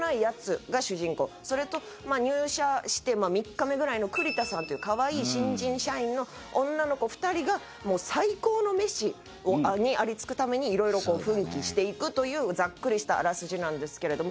それとまあ入社して３日目ぐらいの栗田さんっていう可愛い新人社員の女の子２人がもう最高のメシにありつくためにいろいろ奮起していくというざっくりしたあらすじなんですけれども。